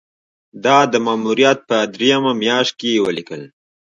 دا د ماموریت په دریمه میاشت کې یې ولیکل.